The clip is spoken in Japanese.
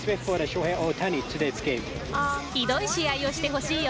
ひどい試合をしてほしいよ。